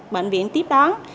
bệnh viện tiếp đón